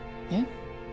えっ？